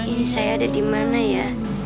ini saya ada dimana ya